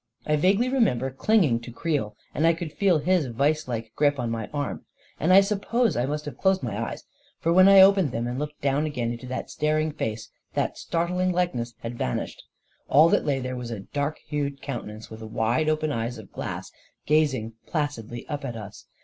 I vaguely remember clinging to Creel, and I could feel his vise like grip on my arm ; and I suppose I must have closed my eyes, for when I opened them and looked again down into that staring face, that startling likeness had vanished. All that lay there was a dark hued countenance, with wide open eyes of glass gazing placidly up at us.